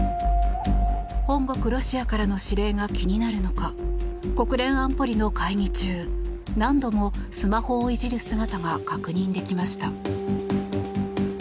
本国ロシアからの指令が気になるのか国連安保理の会議中何度もスマホをいじる姿が確認できました。